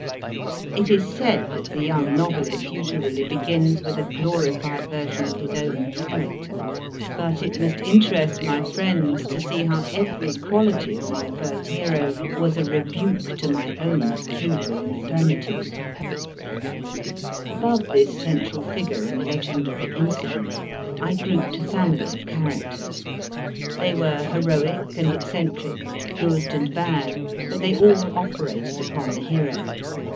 It is said that the young nqvelist usually begins with a glorified version of his own character ; but it must interest my friends to see F2 68 MY FIRST BOOK how every quality of my first hero was a rebuke to my own peculiar infirmities. MR. HALL CA1NE IX HIS STUDY (From a photograph by A. M Petti f) Above this central figure and legendary incident I grouped a family of characters. They were heroic and eccentric, good and bad, but they all operated upon the hero.